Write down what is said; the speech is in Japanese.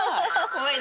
怖い！